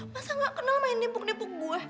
masa gak kenal main nebuk nebuk gue